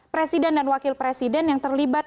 presiden dan wakil presiden yang terlibat